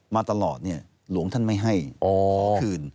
มาตลอดเนี่ยหลวงท่านไม่ให้คืน